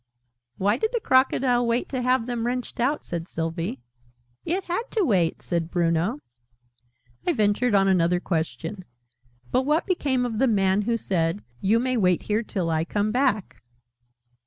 "Why did the Crocodile wait to have them wrenched out?" said Sylvie. "It had to wait," said Bruno. I ventured on another question. "But what became of the Man who said 'You may wait here till I come back'?"